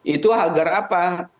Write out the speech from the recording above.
itu agar apa